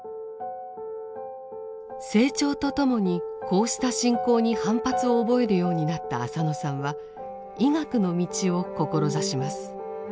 成長とともにこうした信仰に反発を覚えるようになった浅野さんは医学の道を志します。